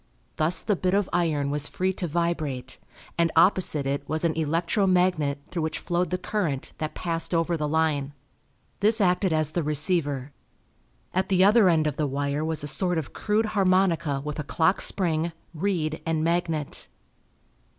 Thus the bit of iron was free to vibrate, and opposite it was an electro magnet through which flowed the current that passed over the line. This acted as the receiver. At the other end of the wire was a sort of crude harmonica with a clock spring, reed, and magnet.